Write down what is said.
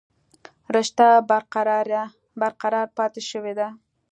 رشته برقرار پاتې شوې ده